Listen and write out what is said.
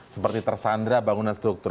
seperti tersandra bangunan struktur